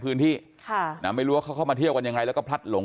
พื้นที่ค่ะนะไม่รู้ว่าเขาเข้ามาเที่ยวกันยังไงแล้วก็พลัดหลง